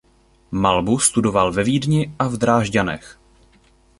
Malbu studoval ve Vídni a v Drážďanech.